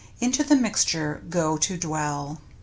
Into the mixture go to dwell.